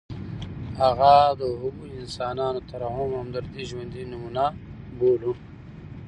هغه د هغوی د انساني ترحم او همدردۍ ژوندۍ نمونه بولو.